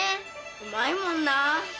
うまいもんな。